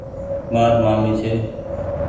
مآر مآمي ڇي ۔